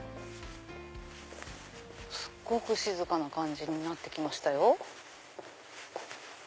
すっごく静かな感じになって来ましたよ。